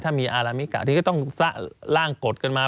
ถ้ามีอารามิกะที่ก็ต้องล่างกฎกันมา